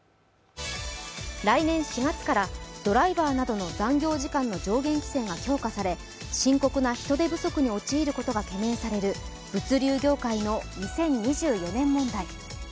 来年４月からドライバーなどの残業時間の上限規制が強化され深刻な人手不足に陥ることが懸念される物流業界の２０２４年問題。